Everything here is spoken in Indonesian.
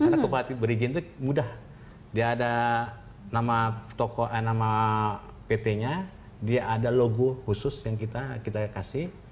karena kufa berizin itu mudah dia ada nama pt nya dia ada logo khusus yang kita kasih